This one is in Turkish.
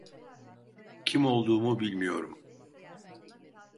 Kim olduğumu bilmiyorum.